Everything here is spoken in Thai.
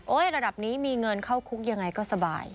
ระดับนี้มีเงินเข้าคุกยังไงก็สบาย